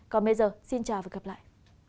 còn bây giờ xin chào và gặp lại